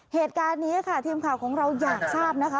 เหตุการณ์นี้ค่ะทีมข่าวของเราอยากทราบนะคะ